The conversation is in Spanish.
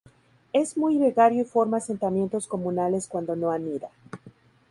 Es muy gregario y forma asentamientos comunales cuando no anida.